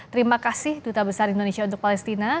terima kasih duta besar indonesia untuk palestina